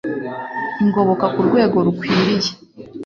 Ingoboka ku rwego rukwiriye